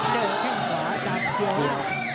เจ้าแข้งขวาจากเกียรติ